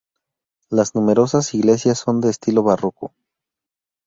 Las numerosas iglesias son de estilo barroco.